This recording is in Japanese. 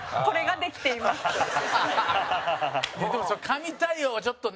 でも、神対応は、ちょっとな。